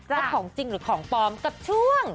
ของจริงหรือของปลอมกับช่วง